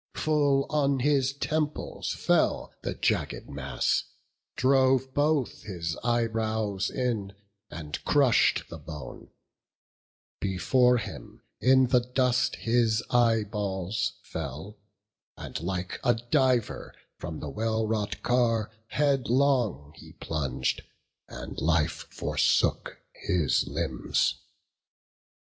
Full on his temples fell the jagged mass, Drove both his eyebrows in, and crush'd the bone; Before him in the dust his eyeballs fell; And, like a diver, from the well wrought car Headlong he plung'd; and life forsook his limbs.